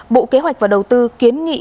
bộ kế hoạch và đầu tư kiến nghị